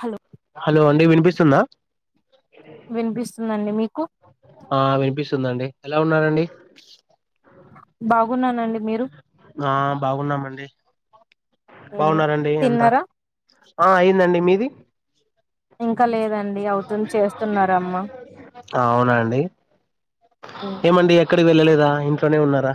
Hello hello అండి వినిపిస్తుందా వినిపిస్తుందండి మీకు ఆ వినిపిస్తుందండి ఎలా ఉన్నారండి బాగున్నానండి మీరు ఆ బాగున్నామండి ఉమ్, బాగున్నారండి అంత తిన్నారా ఆ అయియందండి మీది ఇంకా లేదండి అవుతుంది చేస్తున్నరు అమ్మ అవునా అండి ఉమ్, ఏమండి ఎక్కడికి వెళ్ళలేదా ఇంట్లోనే ఉన్నారా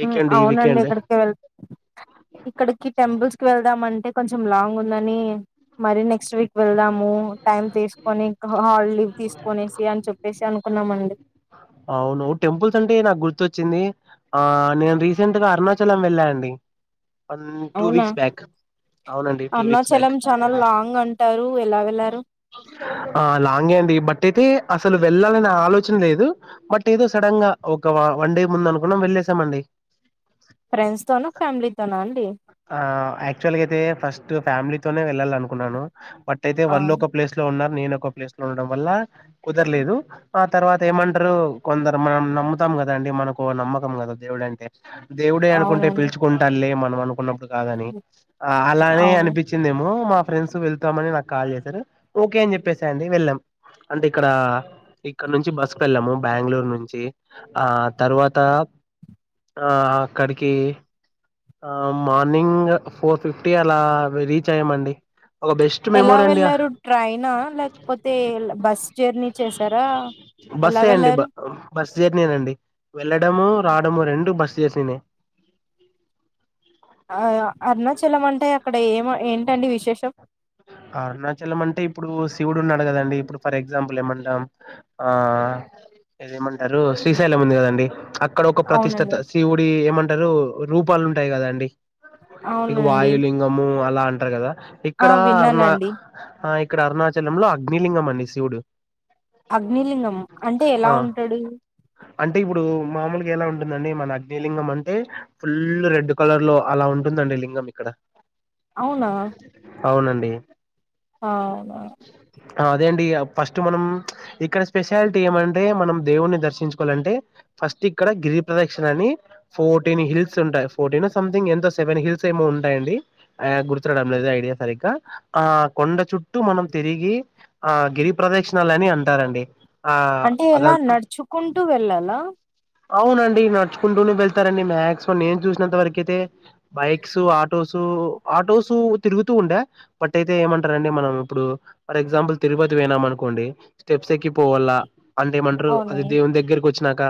వీకెండ్ ఈ అవునండి వీకెండ్ ఇక్కడికి వెళ్ ఇక్కడికి టెంపుల్స్ కి వెళ్దామంటే కొంచెం లాంగ్ ఉందని మరీ నెక్స్ట్ వీక్ వెళ్దాము టైమ్ తీసుకొని హాల్ లీవ్ తీసుకునేసి అని చెప్పేసి అనుకు న్నామండి అవును టెంపుల్స్ అంటే నాకు గుర్తుచ్చింది ఆ నేను రీసెంట్ గా అరుణాచలం వెళ్ళా అండి న్ టూ అవునా వీక్స్ బ్యాక్ అవునండి టూ వీక్స్ బ్యాక్ అరుణాచలం చాలా లాంగ్ అంటారు ఎలా వెళ్లారు ఆ లాంగే అండి బట్ అయితే అసలు వెళ్ళాలని ఆలోచన లేదు బట్ ఏదో సడన్ గా ఒక వన్ డే ముంద అనుకున్నాం వెళ్ళసామండి ఫ్రెండ్స్ తోన ఫ్యామిలీతోన అండి ఆ యాక్చువల్గ అయితే ఫస్ట్ ఫ్యామిలీతోనే వెళ్ళాలి అనుకున్నాను బట్ అయితే ఆ వాళ్ళు ఒక ప్లేస్ లో ఉన్నారు నేనోక ప్లేస్ లో ఉండడం వల్ల కుదరలేదు ఆ తర్వాత ఏమంటారు కొందరు మనం నమ్ముతాం కదాండి మనకు నమ్మకం కదా దేవుడు అంటే దేవుడే అనుకుంటే అవునండి పిలుచుకుంటా లే మనం అనుకున్నప్పుడు కాదని ఆ అలానే అవును అనిపించిందేమో మా ఫ్రెండ్స్ వెళ్తామని నాకు కాల్ చేశారు ఓకే అని చెప్పేసా అండి వెళ్ళాం అంటే ఇక్కడ ఇక్కడ నుంచి బస్సుకు వెళ్ళాము బెంగళూరు నుంచి ఆ తర్వాత ఆ అక్కడికి ఆ మార్నింగ్ ఫోర్ ఫిఫ్టీ అలా రీచ్ అయ్యామండి ఒక బెస్ట్ ఎలా మెమోరీ అండి వెళ్లారు ట్రైనా లేకపోతే బస్ జర్నీ చేసారా ఎలా బస్సే అండి బ వెళ్లారు బస్సు జర్నీనండి వెళ్లడము రావడము రెండు బస్ జర్నీనే ఆ అరుణాచలం అంటే అక్కడ ఏమ ఏంటండి విశేషం అరుణాచలం అంటే ఇప్పుడు శివుడు ఉన్నాడు కదండి ఇప్పుడు ఫర్ ఎగ్జాంపుల్ ఏమంట ఆ ఆ ఏదేమంటారు శ్రీశైలం ఉంది కదండి ఆ క్కడ ఒక అవునండి ప్రతిష్టత శివుడి ఏమంటారు రూపాలు ఉంటాయి కదా అండి ఇగ అవునండి వాయు లింగము అలా అంటారు కదా ఆ ఇక్కడ అరునా విన్నానండి అ ఇక్కడ అరుణాచల లో అగ్నిలింగం అండి శివుడు అగ్నిలింగం అంటే ఎలా ఆ ఉంటాడు అంటే ఇప్పుడు మామూలు ఎలా ఉంటుందండి మన అగ్నిలింగం అంటే ఫుల్ రెడ్ కలర్ లో అలా ఉంటుందండి లింగం ఇక్కడ అవునా అవునండి అవునా అదే అండి ఫస్ట్ మనం ఇక్కడ స్పెషాలిటీ ఏమంటే మనం దేవుణ్ణి దర్శించుకోవాలంటే ఫస్ట్ ఇక్కడ గిరి ప్రదక్షణ అని ఫోర్టీన్ హిల్స్ ఉంటాయి ఫోర్టీన్ అ సంథింగ్ ఎంతో సెవెన్ హిల్స్ ఏమో ఉన్ ఉంటాయండి ఆ గుర్తుడం లేదు ఐడియా సరిగ్గా ఆ కొండ చుట్టూ మనం తిరిగి ఆ గిరి ప్రదక్షిణాలని అంటారండి ఆ అంటే ఎలా అదం నడుచుకుంటూ వెళ్ళాలా అవునండి నడుచుకుంటూనే వెళ్తారండి మాక్సిమం నేను చూసినంత వరకు అయితే బైక్స్ ఆటోస్ ఆటోస్ తిరుగుతూ ఉండే బట్ అయితే ఏంటారం మనం ఇప్పుడు ఫర్ ఎగ్జాంపుల్ తిరుపత్ పోయినాం అనుకోండి స్టెప్స్ ఎక్కిపోవాలా అంటేమంటారు అవును అది దేవుని దగ్గరకి వచ్చినాక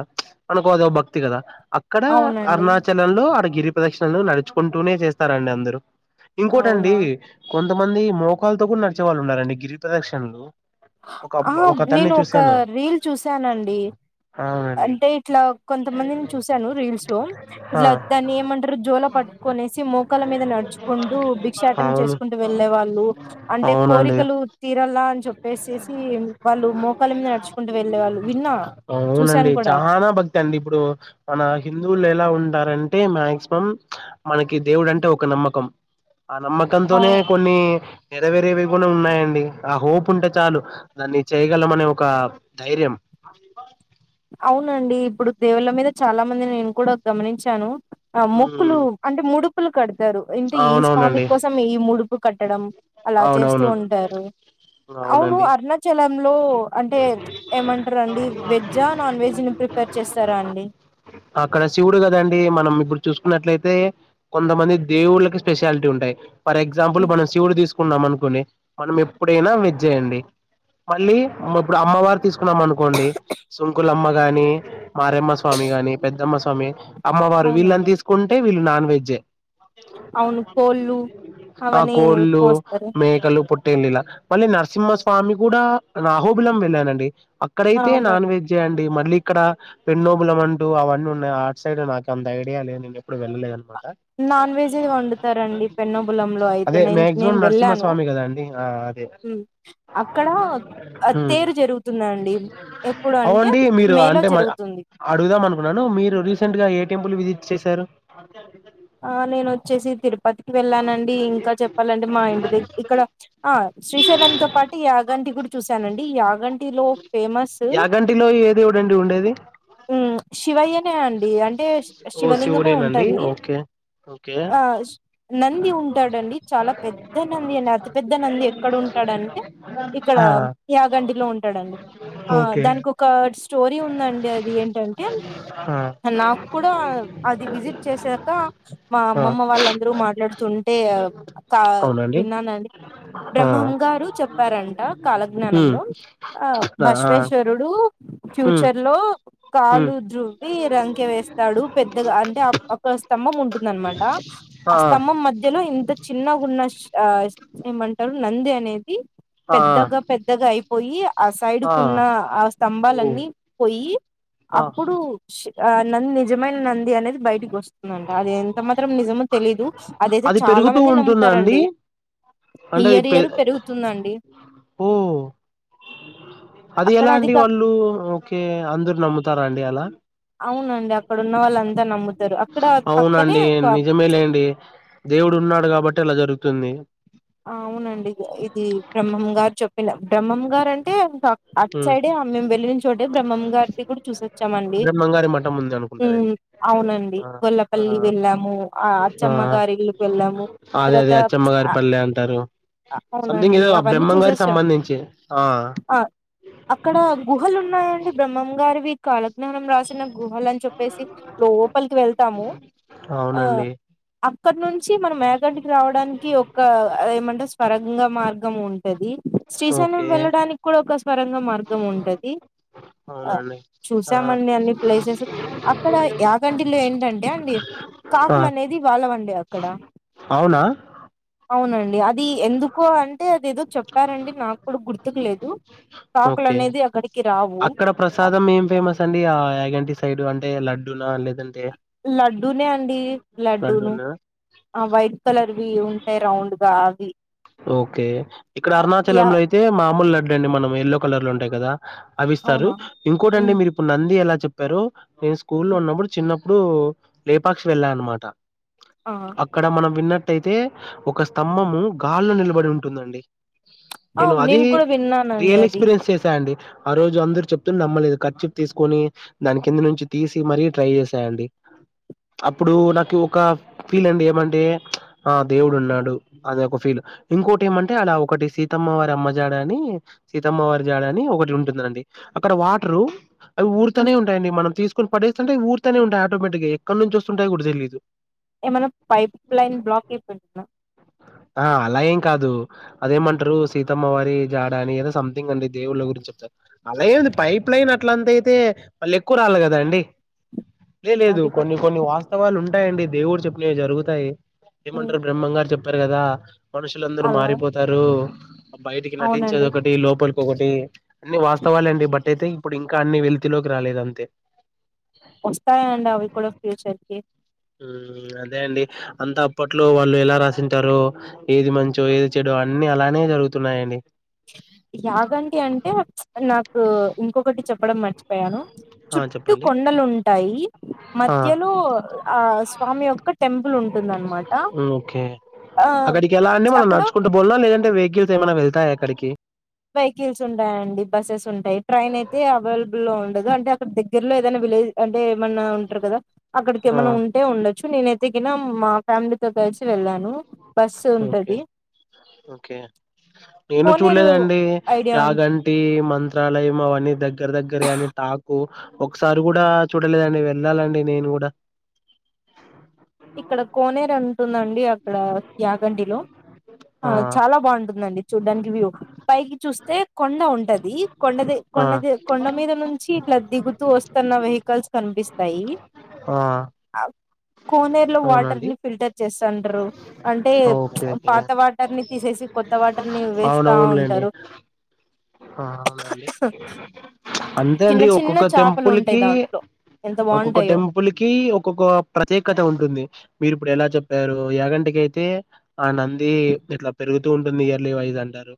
మనకో అదో భక్తి కదా అక్కడ అవునండి అరుణాచలంలో ఆడ గిరి ప్రదక్షిణలో నడుచుకుంటూనే చేస్తారండి అందరు అవునా ఇంకోటండి కొంతమంది మోకాల్లతో కూడ నడిచే వాళ్ళు ఉన్నారండి గిరి ప్రదక్షిణలు ఒక ఆ అబ్బ ఒకతన్ని నేను ఒక చూశాను రీల్ చూసానండి అవునండి అంటే ఇట్లా కొంతమందిని చూసాను రీల్స్ లో ఆ ఇట్లా దాన్ని ఏమంటారు జోల పట్టుకునేసి మోకాళ్ళ మీద నడుచుకుంటూ బిక్షాటన అవును చేసుకుంటూ వెళ్లే వాళ్ళు అంటే అవునండి కోరికలు తీరలా అని చె ప్పేసేసి వాళ్ళు మోకాళ్ళ మీద నడుచుకుంటూ వెళ్ళేవాళ్ళు విన్నా అవునండి చూశాను కూడా చానా భక్తి అండి ఇప్పుడు మన హిందువులు ఎలా ఉంటారంటే మాక్సిమం మనకి దేవుడు అంటే ఒక నమ్మకం ఆ అ నమ్మకంతోనే కొన్ని నెరవేరేవి కూడా ఉన్నాయండి ఆ హోప్ ఉంటే చాలు దాన్ని చేయగలం అనే ఒక ధైర్యం [inaudible] అవునండి ఇప్పుడు దేవుళ్ళ మీద చాలా మంది నేను కూడా గమనించాను ఆ మొక్కులు మ్మ్ అంటే ముడుపులు కడుతారు ఇంటే ఈ స్వామి అవునవునండి కోసం ఈ ముడుపు కట్టడం అలా చేస్తూ అవునవును ఉంటారు అవును అవునండి అరుణాచ లంలో అంటే ఏమంటారండి వె జా నాన్ వెజ్ ని ప్రిపేర్ చేస్తారా అండి అక్కడ శివుడు కదండి మనం ఇప్పుడు చూసుకున్నట్లయితే కొంతమంది దేవుళ్ళకి స్పెషాలిటీ ఉంటాయి ఫర్ ఎగ్జాంపుల్ హ్మ్. మనం శివుడు తీసుకు కున్నాం అనుకుని మనం ఎప్పుడైనా వెజ్జే అండి మళ్ళీ ఇప్పుడు అమ్మవారు తీసుకున్నాం అనుకోండి సుంకులమ్మ గాని మారమ్మ స్వామి గా గాని పెద్దమ్మ స్వామి అమ్మవారు వీళ్ళని అవునండి తీసుకుంటే వీళ్ళు నాన్ వెజ్జే. అవును కోళ్ళు ఆ అవన్నీ కోళ్ళు కోస్తారు మేకలు పుట్ టెల్లీల మళ్ళీ నరసింహస్వామి కూడా నాహోబిలం వెళ్లానండి. అక్కడైతే అవును నాన్ వెజ్జే అండి మళ్ళీ. అక్కడ పెన్నోబులాం అంటూ అవన్నున్నాయి. అట్ సైడ్ నాకంత ఐడియా లేదు నేనెప్పుడు వెళ్ళలేదన్నమాట. నాన్ వెజ్ వండుతారండి పెన్నబులంలో అయితే అదే మ్యాక్సిమం నర్సింహస్వామి కదండి. ఆ అదే హ్మ్మ్ అక్కడ హ్మ్. తేరు జరుగుతుందండి, ఎప్పుడు అంటే అవునండి మీరు మే లో అంటే మ- జరుగుతుంది. అడుగుదాం అనుకున్నను మీరు రీసెంట్ గా ఏ టెంపుల్ విజిట్ చేశారు? ఆ నేనొచ్చేసి తిరు పతికి వెళ్ళానండి, ఇంకా చెప్పాలంటే మా ఇంటి దగ్గ ఇక్కడ ఆ శ్రీశైలంతో పాటు యాగానీ అది గూడా చూశానండి. యాగంటి లో ఫేమస్సు యాగంటిలో ఏ దేవుడండి ఉండేది హ్మ్మ్ శివయ్య అంతే అండి అంటే ఓ శివలింగమే శివుడేనండి ఉంటది. ఓకే ఓకే ఆ నంది ఉంటాడండి, చాలా పెద్ద నంది, అతిపెద్ద నంది. ఎక్కడుంటాడంటే ఇక్కడ ఆ యాగంటిలో ఉంటాడండి. ఆ ఓకే దానికొక స్టోరీ ఉందండి అది ఏంటంటే? ఆ నాకు కూడా అది విజిట్ చేసాక! మా ఆ అమ్మమ్మ వాళ్ళందరూ మాట్లాడుతుంటే కా అవునండి విన్నానండి. ఆ బ్రహ్మం గారు చెప్పారంట, ఉమ్ కాలజ్ఞానంలో ఆ బసవేశ్వరుడు! ఉమ్ ఫ్యూచర్ లో ఉమ్ కాలు ధ్రువ్వి రంకె వేస్తాడు. పెద్దగా అంటే ఒక్క స్తంభం ఉం ఉంటుందనమాట ఆ స్తంభం మధ్యలో ఇంత చిన్నగున్న శి ఆ ఏమంటారు నంది అనేది ఆ పెద్దగా పెద్దగా అయిపోయి ఆ సైడ్ కున్న ఆ ఓ స్తంభాలన్నీ పోయి ఆ అప్పుడు ష్ ఆ నంది నిజమైన నంది అనేది బయటకి వస్తుందంట. అదే మాత్రం నిజం తెలీదు అదైతే అది చాలా పెరుగుతూ మంది ఉంటుందా అండి నమ్ముతారండి. అంటే అది ఇయర్ పె ఇయర్ పెరుగుతుందండి ఓ అది అక్కడ ఎలా అండి కాక వాళ్ళు ఓకే అందరు నమ్ముతారండి అలా అవునండి అక్కడ ఉన్న వాళ్ళం అవునండి నిజమే లేండి దేవుడు ఉన్నాడు కాబట్టి ఇలా జరుగు తుంది అవునండి ఇది బ్రహ్మం గారు చెప్పిన బ్రహ్మం గారంటే ఇంక అట్ ఉమ్ సైడే మేము వెళ్ళిన చోటే బ్రహ్మం గారిది కూడా చూసివోచ్చామండి. బ్రహ్మంగారి మఠం ఉంది అనుకుంటారండి ఉమ్ అవునండి ఆ గొల్లపల్లి ఆ వెళ్ళాము, ఆ అచ్చమ్మగారి ఇల్లుకు వెళ్ళాము, తర్వాత బమ గారి అ పల్లె అంటారు సంథింగ్ అవునండి ఏదో ఆ అవన్నీ బ్రహ్మ గారి చూసేసాం సంబంధించి ఆ ఆ అక్కడ గుహలున్నాయండి బ్రహ్మం గారివి కాలజ్ఞానం రాసిన గుహలని చెప్పేసి లోపలికి వెళ్తాము. ఆ అవునండి అక్కడ నుంచి మనం వేగంటికి రావడానికి ఒక ఆ ఏమంటరు స్వరంగ మార్గం ఉంటది. శ్రీశైలం ఓకే వెళ్ళడానికి కూడా ఒక స్వరంగ మార్గం ఉంటది. ఆ అవునండి ఆ చూసామండి అన్ని ప్లేసెస్ ఆ కాకులనేది వాళ్ళవండి అక్కడ. అవునా అవునండి అది ఎందుకో అంటే అదేదో చెప్పారంండి నాకు కూడా గుర్తుకు లేదు కాకులన్ ఓకే మే బి అక్కడికే అక్కడ ప్రసాదం ఏం ఫేమస్ అండి ఆ యాగంటి సైడ్ అంటే లడ్డున లే లడ్డూనే అండి లడ్డూను లడ్డూనా ఆ వైట్ కలర్వి ఉంటాయ్ రౌండ్ గా అవి. ఓకే ఇక్కడ ఆ, అరుణాచల యా లో అయితే మామూలు లడ్డ అండి మనం ఎయల్లో కలర్ లో ఉంటాయి కదా అవిస్తారు అవునా ఇంకోటిండి ఉమ్ మీరు ఇప్పుడు నంది ఎలా చెప్పారు నేను స్కూల్ లో ఉన్నప్పుడు చిన్నప్పుడు ఇప్పుడు లేపాక్షి వెళ్ళాలన్నమాట ఆ అక్కడ మనం విన్నట్టు అయితే ఒక స్తంభము గాల్లో నిలబడి ఉంటుందండి ఆ నేను అది కూడా విన్నానండి రియల్ అది ఎక్స్పీరియన్స్ చేసా అండి ఆ రోజు అందరు చెప్తు నమ్మలేదు కర్చీఫ్ తీసుకొని దాని కింద నుంచి తీసి మరీ ట్రై చేసేయండి అప్పుడు నాకు ఒక ఫీల్ అండి ఏమంటే ఆ దేవుడు ఉన్నాడు అది ఒక ఫీల్ ఇంకోటి ఏమంటే అలా ఒకటి సీతమ్మ వారి అమ్మ జాడ అని సీతమ్మ వారి జాడ అని ఒకటి ఉంటు దండి అక్కడ వాటరు అవి హ్మ్. ఊర్తనే ఉంటాయండి మనం తీసుకునిడేస్తుంటేవ ఊర్తనే ఉంటయి ఆటోమేటిగా ఎక్క నుంచి వస్తుంటయ కూడా తెలీదు ఏమైనా పైప్ లైన్ బ్లాక్ అయిపోయింటందా ఆ అలా ఏం కాదు అదేమంటారు సీతమ్మవారి జాడ అని ఏదో సంథింగ్ అండి దేవుళ్ళ గురించి చెప్తారు అలా ఏంది పైప్ లైన్ అట్లంతయితే మళ్ళ ఎక్కువ రావలి కద అండి లే లేదు అది కూడా కొన్ని కొన్ని వాస్తవాలు ఉంటాయండి దేవుడు చెప్పినవి జరుగుతాయి హ్మ్. ఏమంటారు బ్రహ్మంగారు చెప్పారు కదా మనుషులుందరూ అలా మారిపోతారు బయటికి నటించేది అవునండి ఒకటి లోపలి ఇంకొకటి అన్ని వాస్తవాలుండి బట్ అయితే ఇప్పుడు ఇంకా అన్ని వెళ్తిలోకి రాలేదు అంతే వస్తాయి అండా అవి కూడా ఫ్యూచరికి అదే అండి అంత అప్పట్లో వాళ్ళు ఎలా రాసింటారో ఏది మంచో ఏది చెడు అన్ని అలానే జరుగుతున్నాయండి యాగంటి అంటే నాకు ఇంకొకటి చెప్పడం మర్చిపోయ ఆ! చుట్టూ చెప్పండి. కొండలుంటాయి ఆ! మధ్యలో ఆ స్వామి యొక్క టెంపుల్ ఉంటుందనమాట ఆ అక్కడికి ఎలా అంట మనం అక్కడ నడుచుకుంట పోవాల లేదంటే వెహికల్స్ ఏమైనా వెళ్తాయా అక్కడికి వెహికల్స్ ఉంటాయి అండి బస్సెస్ ఉంటాయి ట్రైన్ అయితే అవైలబుల్ గా ఉండదు అంటే అక్కడ దగ్గరలో ఏదైనా విలేజ్ అంటే ఏమన్నా ఉంటారు కదా అక్కడికి ఆ! ఏమైన ఉంటే ఉండొచ్చు నేనైతే కిన మా ఫ్యామిలీతో వెళ్ళాను బస్సు ఓకే. ఉంటది ఓకే నేను కోనేరు చూడలేదండి ఐడియా ఉ యాగంటి మంత్రాలయం అవన్నీ దగ్గర దగ్గర అని టాక్ ఒకసారి కూడా చూడలేదండి వెళ్ళాలండి నేను కూడా ఇక్కడ కోనేరు ఉంటుందండి అక్కడ యాగంటిలో ఆ చాలా బాగుంట ది చూడ్డానికి వ్యూ పైకి చూస్తే కొండ ఉంటది కొండది ఆ! కొండది కొండ మీద నుంచి ఇట్లా దిగుతూ వస్తున్న వెహికల్స్ కనిపిస్తాయి ఆ ఆ కోనేరు లో వాటర్ అవునండి. ని ఫిల్టర్ చేస్త అంటారు అంటే ఓకే. ఓకే. పాత వాటర్ ని తీసేసి కొత్త వాటర్ ని వేస్తా ఉంటారు అ అవునండి అంతే చిన్న అండి చిన్న ఒక్కొక్క చేపలు ఉంటాయి టెంపుల్కి దాంట్లో ఎంత ఒక్కొక్క బాగుంటాయో టెంపుల్ కి ఒక్కొక్క ప్రత్యేక ఉంటుంది మీరు ఇప్పుడు ఎలా చెప్పారు ఏయాగంటకియితే ఆ నంది ఇట్లా పెరుగుతూ ఉంట ఇయర్లీ వైజ్ అంటారు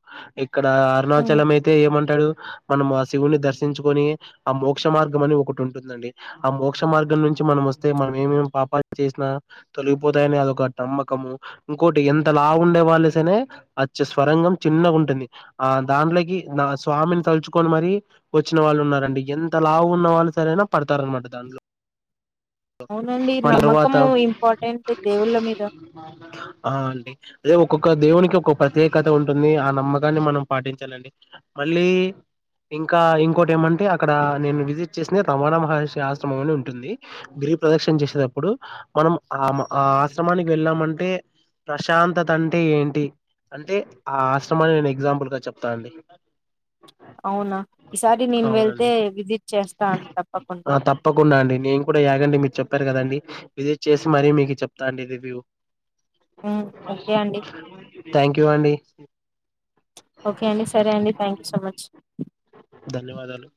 ఇక్కడ అరుణాచలం అయితే ఏమంట టడు మనం ఆ శివుని దర్శించుకుని ఆ మోక్ష మార్గం అని ఒకటి ఉంటుందండి ఆ మోక్ష మార్గం దగ్గర నుంచి మనం వస్తే మనం ఏమే పాపా చేసినా తొలగిపోతాయని అది ఒక నమ్మకము ఇంకోటి ఎంత లావు ఉండే వాళ్ళు సనే అచ్చ స్వరంగం చిన్నగా ఉంటుంది ఆ దాంట్లోకి నా స్వామిని తలుచుకొని మర వచ్చిన వాళ్ళు ఉన్నారండి ఎంత లావు ఉన్న వాళ్ళు సరనా పడు తార అన్నమాట దాంట్లో అవునండి మ తరువాత నమ్మకము ఇంపార్టెంట్ దేవుళ్ళ మీద ఆ అండి అదే ఒక్కొక్క దేవునికి ఒక ప్రత్యేకత ఉంటుంది ఆ నమ్మకాన్ని మనం పాటించాలండి మళ్ళీ ఇంకా ఇంకోటి ఏమంటే అక్కడ నేను విజిట్ చేసిన రవాణా మహర్షి ఆశ్రమం అని ఉంటుంది. గిరి ప్రదక్షిణ చేసేటప్పుడు మనం ఆ ఆ ఆశ్రమానికి వెళ్ళామంటే ప్రశాంతతంటే ఏంటి అంటే ఆ ఆశ్రమాన్ని నేను ఎగ్జాంపుల్గా చెప్తానండి అవునా ఈసారి నేను వెళ్తే అవునండి విజిట్ చేస్తాను తప్పకుండా కున్నా అండి నేను కూడా యగండి మీరు చెప్పారు కదండి విజిట్ చేసి మరీ మీకు చెప్తా అండి రివ్యూ ఓకే అండి థ్యాంక్ యూ అండి ఓకే అండి సరే అండి థ్యాంక్ యూ సో మచ్ ధన్యవాదాలు